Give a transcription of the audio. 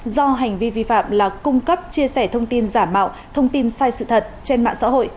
do hành vi vi phạm là cung cấp chia sẻ thông tin giả mạo thông tin sai sự thật trên mạng xã hội